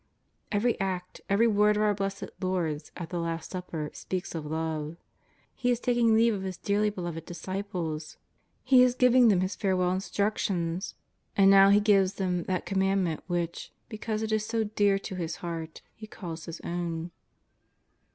Every act, every word of our Blessed Lord's at the Last Supper speaks of love. He is taking leave of His dearly beloved disciples. He is giving them His fare well instructions. x\nd now He gives them that Com mandment which^ because it is so dear to His Heart, He calls His own.